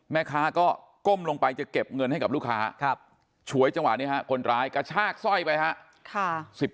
แม่ค้าก็ก้มลงไปจะเก็บเงินให้กับลูกค้าฉวยจังหวะนี้ฮะคนร้ายกระชากสร้อยไปฮะ